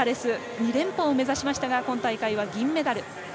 ２連覇を目指しましたが今大会は銀メダル。